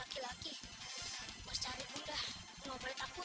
dia pegang lintaz dia ppan